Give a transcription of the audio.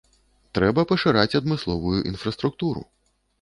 Трэба пашыраць адмысловую інфраструктуру.